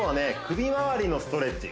首まわりのストレッチ